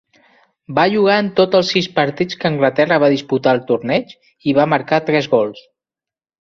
Va jugar en tots els sis partits que Anglaterra va disputar al torneig i va marcar tres gols.